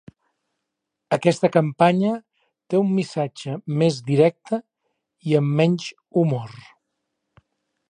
Aquesta campanya té un missatge més directe i amb menys humor.